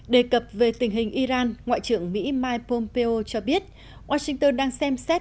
đề cập về tình hình iran ngoại trưởng mỹ mike pompeo cho biết washington đang xem xét